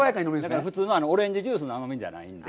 だから、普通のオレンジのジュースの甘みじゃないんで。